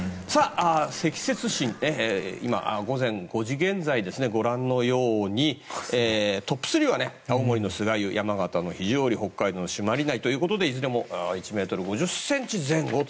積雪深、午前５時現在ではご覧のように、トップ３は青森の酸ヶ湯、山形の肘折北海道の朱鞠内ということでいずれも１ｍ５０ｃｍ前後です。